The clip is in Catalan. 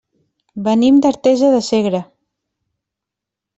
Venim d'Artesa de Segre.